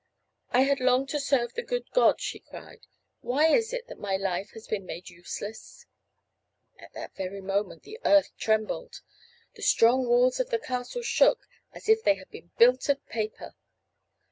"I had longed to serve the good God," she cried. "Why is it that my life has been made useless!" At that very moment the earth trembled. The strong walls of the castle shook as if they had been built of paper.